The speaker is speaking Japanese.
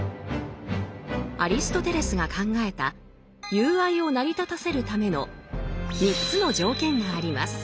アリストテレスが考えた友愛を成り立たせるための３つの条件があります。